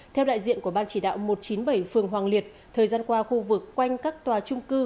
theo đại diện của ban chỉ đạo một trăm chín mươi bảy phường hoàng liệt thời gian qua khu vực quanh các tòa trung cư